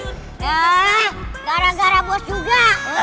gara gara bos juga